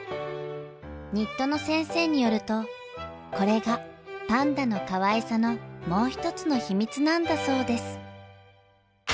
入戸野先生によるとこれがパンダのかわいさのもう一つの秘密なんだそうです。